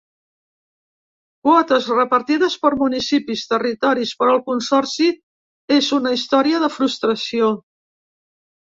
Quotes repartides per municipis, territoris… Però el consorci és una història de frustració.